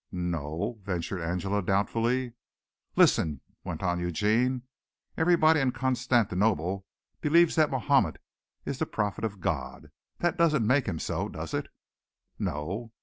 "No o o," ventured Angela doubtfully. "Listen," went on Eugene. "Everybody in Constantinople believes that Mahomet is the Prophet of God. That doesn't make him so, does it?" "No."